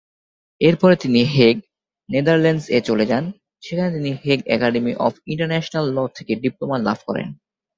এর পরে তিনি হেগ, নেদারল্যান্ডস-এ চলে যান যেখানে তিনি Hague academy of international law থেকে ডিপ্লোমা লাভ করেন।